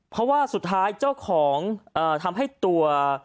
เพราะว่าสุดท้ายเจ้าของทำให้ตัว